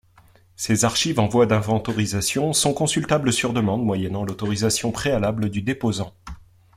Ces archives, en voie d’inventorisation, sont consultables sur demande, moyennant l’autorisation préalable du déposant.